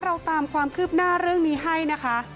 เราตามความคืบหน้าเรื่องนี้ให้นะคะ